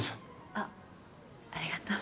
あっありがとう。